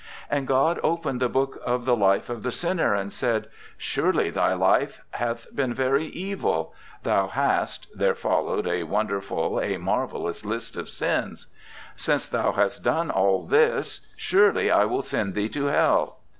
'And God opened the Book of the life of the sinner and said, "Surely thy life hath been very evil. Thou hast" (there followed a wonderful, a marvellous list of sins). "Since thou hast done all this, surely I will send thee to Hell."